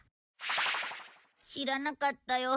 知らなかったよ